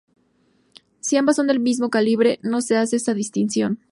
Si ambas son del mismo calibre no se hace esa distinción.